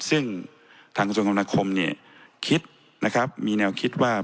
ซึ่งทางกระทรวงคมนาคมเนี่ยคิดนะครับมีแนวคิดว่า